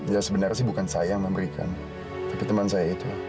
ya sebenarnya sih bukan saya yang memberikan tapi teman saya itu